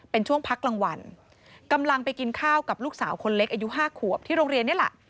เป็นช่วงพักรางวัลกำลังไปกินข้าวกับลูกสาวคนเล็กอายุ๕ขวบที่โรงเรียนนี่แหละ